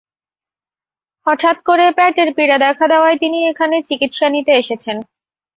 হঠাত্ করে পেটের পীড়া দেখা দেওয়ায় তিনি এখানে চিকিৎসা নিতে এসেছেন।